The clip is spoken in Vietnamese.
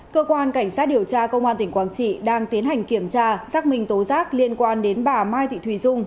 cơ quan cảnh sát điều tra công an tỉnh quảng trị đang tiến hành kiểm tra xác minh tố giác liên quan đến bà mai thị thùy dung